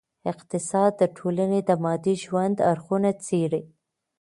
اقتصاد د ټولني د مادي ژوند اړخونه څېړي.